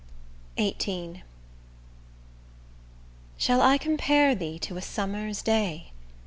XVIII Shall I compare thee to a summer's day?